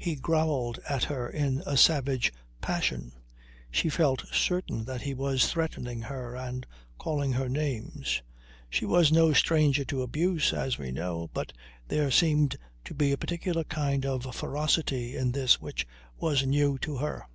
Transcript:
He growled at her in a savage passion. She felt certain that he was threatening her and calling her names. She was no stranger to abuse, as we know, but there seemed to be a particular kind of ferocity in this which was new to her.